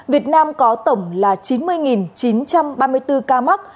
việt nam có tổng là chín mươi chín trăm ba mươi bốn ca mắc